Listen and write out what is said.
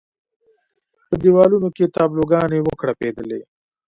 په دېوالونو کې تابلو ګانې وکړپېدلې.